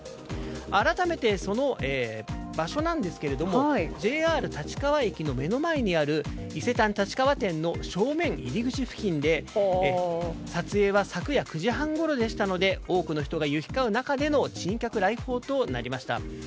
改めて、その場所なんですがＪＲ立川駅の目の前にある伊勢丹立川店の正面入り口付近で撮影は昨夜９時半ごろでしたので多くの人が行き交う中での珍客来訪となりました。